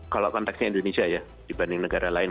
kalau konteksnya indonesia ya dibanding negara lain